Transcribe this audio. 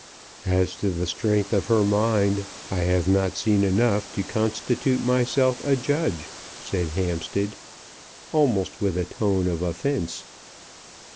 "As to the strength of her mind, I have not seen enough to constitute myself a judge," said Hampstead, almost with a tone of offence.